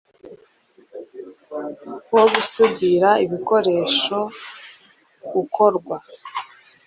wo gusudira ibikoresho ukorwa